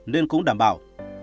nên cũng đảm bảo